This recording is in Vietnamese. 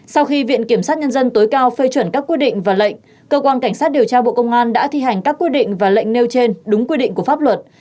sau khi viện kiểm sát nhân dân tối cao phê chuẩn các quy định và lệnh cơ quan cảnh sát điều tra bộ công an đã thi hành các quy định và lệnh nêu trên đúng quy định của pháp luật